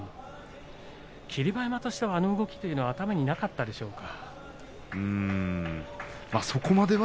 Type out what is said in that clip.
霧馬山としては、あの動きは頭になかったんでしょうか。